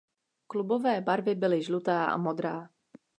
Klubové barvy byly žlutá a modrá.